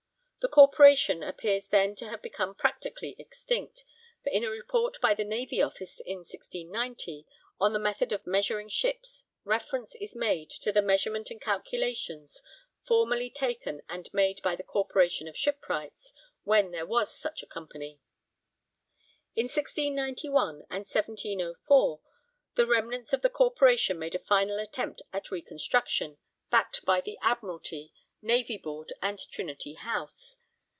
The Corporation appears then to have become practically extinct, for in a report by the Navy Office, in 1690, on the method of measuring ships reference is made to the 'measurement and calculations ... formerly taken and made by the Corporation of shipwrights (when there was such a company).' In 1691 and 1704 the remnants of the Corporation made a final attempt at reconstruction, backed by the Admiralty, Navy Board, and Trinity House.